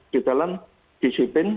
di dalam disiplin